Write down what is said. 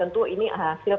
tentu ini hasil koordinasi